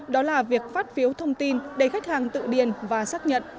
đó là việc phát phiếu thông tin để khách hàng tự điền và xác nhận